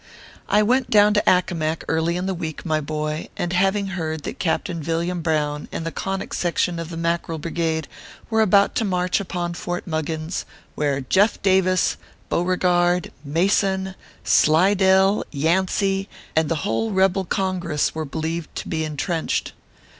I went down to Accomac early in the week, my boy, having heard that Captain Villiam Brown and the Conic Section of the Mackerel Brigade were about to march upon Fort Muggins, where Jeff Davis, Beau regard, Mason, Slidell, Yancey, and the whole rebel 222 ORPHEUS C. KERR PAPERS. Congress were believed to be intrenched.